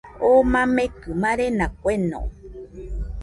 Oo mamekɨ marena kueno